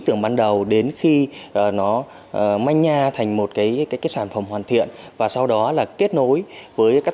tưởng ban đầu đến khi nó manh nha thành một cái sản phẩm hoàn thiện và sau đó là kết nối với các